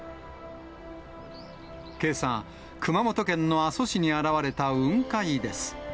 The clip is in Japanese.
けさ、熊本県の阿蘇市に現れた雲海です。